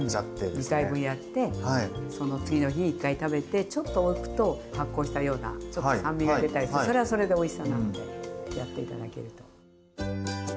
２回分やってその次の日に１回食べてちょっとおくと発酵したようなちょっと酸味が出たりしてそれはそれでおいしさなのでやっていただけると。